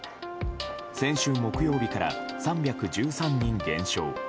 先週木曜日から３１３人減少。